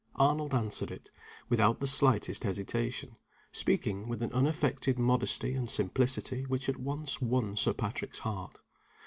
Arnold answered it, without the slightest hesitation; speaking with an unaffected modesty and simplicity which at once won Sir Patrick's heart.